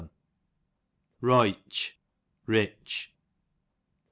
Roytch, rich.